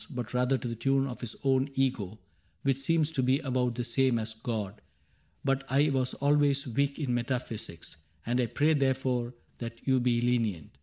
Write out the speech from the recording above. But rather to the tune of his own Ego, Which seems to be about the same as God. But I was always weak in metaphysics. And I pray therefore that you be lenient.